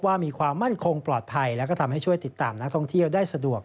มีความมั่นคงปลอดภัยและก็ทำให้ช่วยติดตามนักท่องเที่ยวได้สะดวก